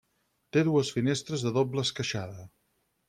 Té dues finestres de doble esqueixada.